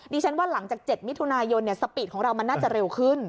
ฉันว่าหลังจาก๗มิถุนายนสปีดของเรามันน่าจะเร็วขึ้น